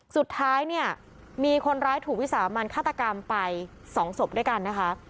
สุดท้ายเนี่ยมีคนร้ายถูกวิสามันฆาตกรรมไป๒ศพด้วยกันนะคะ